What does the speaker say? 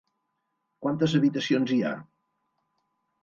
Quantes habitacions hi ha?